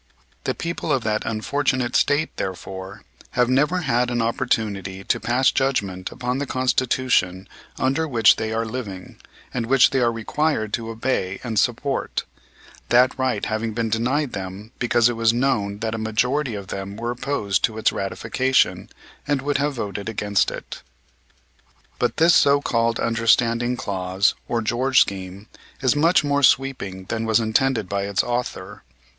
The people of that unfortunate State, therefore, have never had an opportunity to pass judgment upon the Constitution under which they are living and which they are required to obey and support, that right having been denied them because it was known that a majority of them were opposed to its ratification and would have voted against it. But this so called "understanding clause," or George scheme, is much more sweeping than was intended by its author.